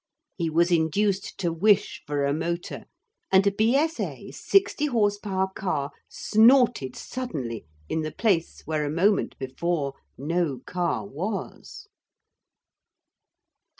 He was induced to wish for a motor and a B.S.A. sixty horse power car snorted suddenly in the place where a moment before no car was.